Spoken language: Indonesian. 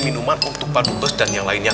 minuman untuk pak dubes dan yang lainnya